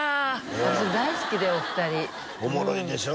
私大好きでお二人おもろいでしょ？